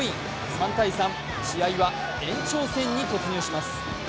３−３、試合は延長戦に突入します。